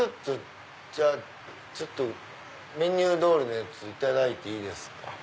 ちょっとメニュー通りのやついただいていいですか？